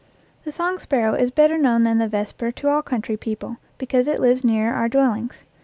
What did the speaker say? The song sparrow is better known than the vesper 62 EACH AFTER ITS KIND to all country people, because it lives nearer our dwellings.